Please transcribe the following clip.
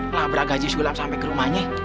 ngelabrak gaji sulam sampai ke rumahnya